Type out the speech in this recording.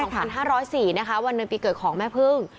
๔สิงหาคม๒๕๐๔นะคะวันเดือนปีเกิดของแม่พรึ่ง